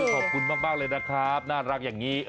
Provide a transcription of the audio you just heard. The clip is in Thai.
ขอบคุณมากเลยนะครับน่ารักอย่างนี้